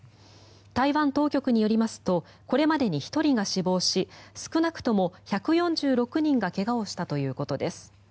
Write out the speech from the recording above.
台湾当局によりますとこれまでに１人が死亡し少なくとも１４６人が怪我をしたということです。